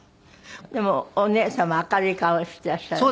でもお姉様明るい顔していらっしゃる。